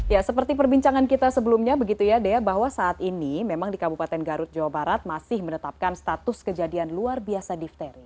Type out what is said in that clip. ya seperti perbincangan kita sebelumnya begitu ya dea bahwa saat ini memang di kabupaten garut jawa barat masih menetapkan status kejadian luar biasa difteri